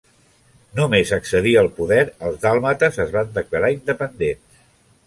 Només accedir al poder els dàlmates es van declarar independents.